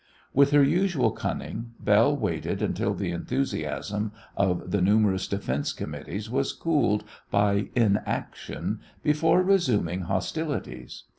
With her usual cunning Belle waited until the enthusiasm of the numerous Defence Committees was cooled by inaction before resuming hostilities.